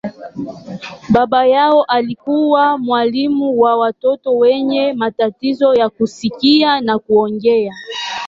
Baba yake alikuwa mwalimu wa watoto wenye matatizo ya kusikia na kuongea.